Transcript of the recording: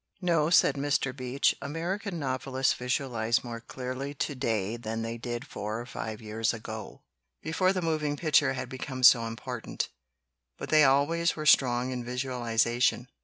"No," said Mr. Beach. "American novelists visualize more clearly to day than they did four or five years ago, before the moving picture had become so important, but they always were strong in visualization.